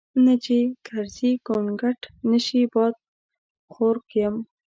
نه چې ګرزي ګونګټ نشي بادخورک یم.